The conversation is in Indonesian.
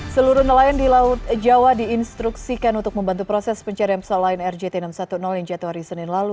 seluruh nelayan di laut jawa diinstruksikan untuk membantu proses pencarian pesawat lion air jt enam ratus sepuluh yang jatuh hari senin lalu